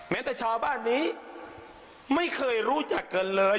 แม้แต่ชาวบ้านนี้ไม่เคยรู้จักกันเลย